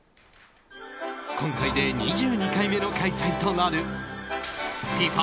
今回で２２回目の開催となるＦＩＦＡ